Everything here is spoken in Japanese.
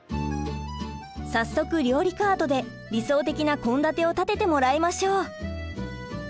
早速料理カードで理想的な献立を立ててもらいましょう。